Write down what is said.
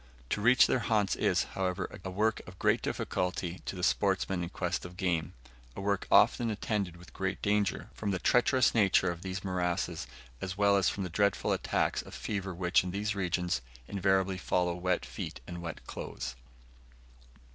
To reach their haunts is, however, a work of great difficulty to the sportsman in quest of game; a work often attended with great danger, from the treacherous nature of these morasses, as well as from the dreadful attacks of fever which, in these regions, invariably follow wet feet and wet clothes.